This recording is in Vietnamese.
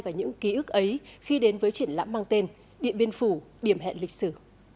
và những ký ức ấy khi đến với triển lãm mang tên điện biên phủ điểm hẹn lịch sử